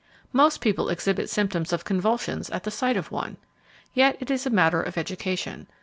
Most people exhibit symptoms of convulsions at sight of one. Yet it is a matter of education.